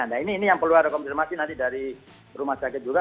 nah ini yang perlu ada konfirmasi nanti dari rumah sakit juga